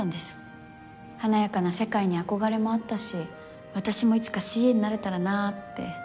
華やかな世界に憧れもあったし私もいつかＣＡになれたらなって。